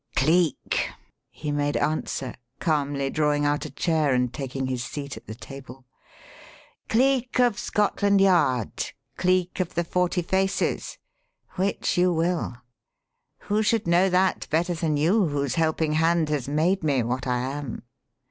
"Cleek," he made answer, calmly drawing out a chair and taking his seat at the table. "Cleek of Scotland Yard; Cleek of the Forty Faces which you will. Who should know that better than you whose helping hand has made me what I am?"